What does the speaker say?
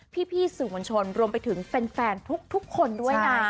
พี่สื่อมวลชนรวมไปถึงแฟนทุกคนด้วยนะ